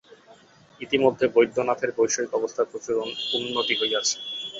ইতিমধ্যে বৈদ্যনাথের বৈষয়িক অবস্থার প্রচুর উন্নতি হইয়াছে।